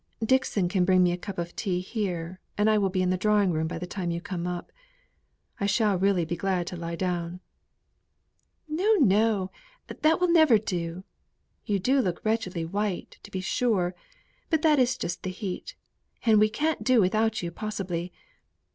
"Dixon can get me a cup of tea here, and I will be in the drawing room by the time you come up. I shall really be glad to lie down." "No, no! that will never do. You do look wretchedly white, to be sure; but that is just the heat, and we can't do without you possibly.